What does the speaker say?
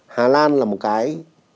hà lan là một cái